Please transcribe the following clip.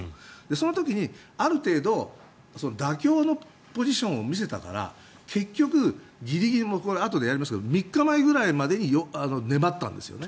その時にある程度妥協のポジションを見せたから結局、ギリギリあとでやりますけど３日前くらいまで粘ったんですよね。